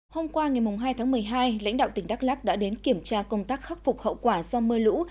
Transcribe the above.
hôm qua ngày hai tháng một mươi hai lãnh đạo tỉnh đắk lắc đã đến kiểm tra công tác khắc phục hậu quả do mưa lũ